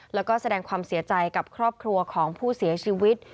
แล้วก็แสดงความเสียใจกับครอบครัวของผู้เสียชีวิต